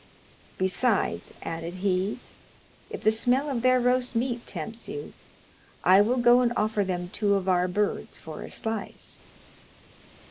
"Besides," added he, "if the smell of their roast meat tempts you, I will go and offer them two of our birds for a slice."